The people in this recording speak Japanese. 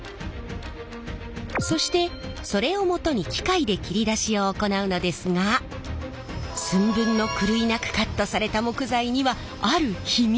そしてそれをもとに機械で切り出しを行うのですが寸分の狂いなくカットされた木材にはある秘密が。